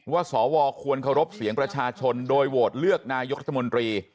สวควรเคารพเสียงประชาชนโดยโหวตเลือกนายกรัฐมนตรี